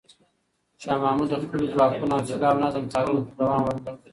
شاه محمود د خپلو ځواکونو حوصله او نظم څارلو ته دوام ورکړ.